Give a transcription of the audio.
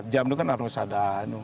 dua puluh empat jam itu kan harus ada